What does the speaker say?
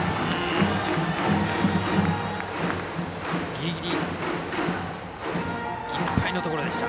ギリギリいっぱいのところでした。